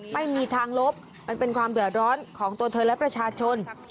ไม่มีทางลบมันเป็นความเดือดร้อนของตัวเธอและประชาชน